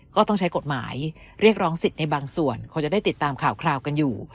ก็ต้องใช้กฎหมายเรียกร้องสิทธิ์ในบางส่วนคงจะได้ติดตามข่าวคราวกันอยู่